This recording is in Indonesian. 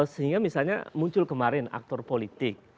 sehingga misalnya muncul kemarin aktor politik